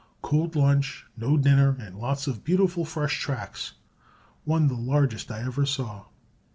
Cold lunch, no dinner and lots of beautiful fresh tracks, one the largest I ever saw.